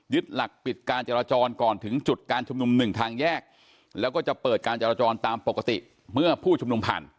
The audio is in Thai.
หลักปิดการจราจรก่อนถึงจุดการชุมนุมหนึ่งทางแยกแล้วก็จะเปิดการจราจรตามปกติเมื่อผู้ชุมนุมผ่าน